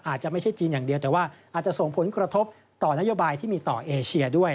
อาจจะไม่ใช่จีนอย่างเดียวแต่ว่าอาจจะส่งผลกระทบต่อนโยบายที่มีต่อเอเชียด้วย